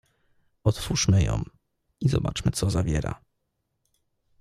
— Otwórzmy ją i zobaczmy, co zawiera.